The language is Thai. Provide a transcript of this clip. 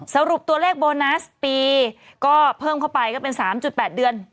สรุปตัวเลขโบนัสปีก็เพิ่มเข้าไปก็เป็น๓๘เดือน